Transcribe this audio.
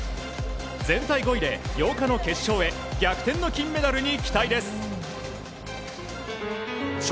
全体５位で８日の決勝へ逆転の金メダルに期待です。